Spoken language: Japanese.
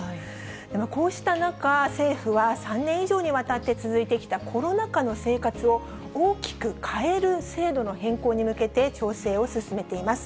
こうした中、政府は３年以上にわたって続いてきたコロナ禍の生活を、大きく変える制度の変更に向けて、調整を進めています。